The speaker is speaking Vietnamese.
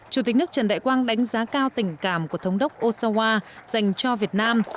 chủ tịch nước trần đại quang đánh giá cao tình cảm của thống đốc osawa dành cho việt nam